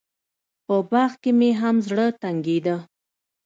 په باغ کښې مې هم زړه تنګېده.